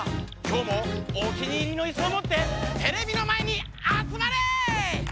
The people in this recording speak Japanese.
今日もお気に入りのイスをもってテレビの前にあつまれ！